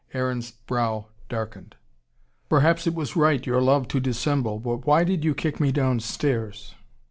Aaron's brow darkened. "Perhaps it was right your love to dissemble But why did you kick me down stairs?..."